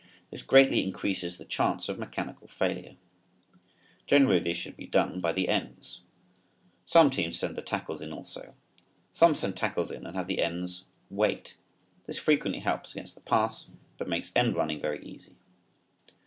This greatly increases the chance of mechanical failure. Generally this should be done by the ends. Some teams send the tackles in also. Some send tackles in and have the ends wait. This frequently helps against the pass but makes end running very easy.